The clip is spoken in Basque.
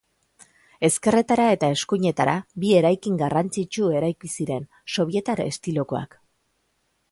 Ezkerretara eta eskuinetara, bi eraikin garrantzitsu eraiki ziren, sobietar estilokoak.